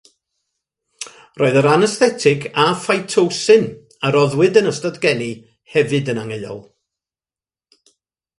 Roedd yr anesthetig a phitocin a roddwyd yn ystod geni hefyd yn angheuol.